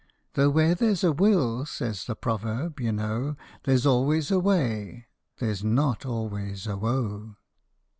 (Though "where there's a will," says the proverb, you know, "There's always a Way" there's not always a Woe.)